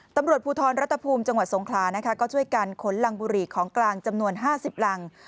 ตำรวจภูทรรัตนภูมิจังหวัดสงคราช่วยการขนลังบุหรี่ของกลางจำนวน๕๐ลัง